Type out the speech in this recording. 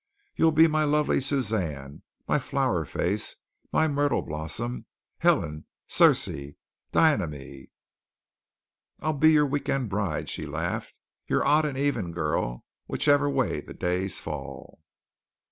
You'll be my lovely Suzanne, my Flower Face, my Myrtle Blossom. Helen, Circe, Dianeme." "I'll be your week end bride," she laughed, "your odd or even girl, whichever way the days fall."